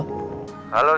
makasih tahan saju